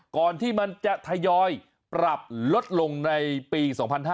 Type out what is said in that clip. ก่อนที่มันจะทยอยปรับลดลงในปี๒๕๕๙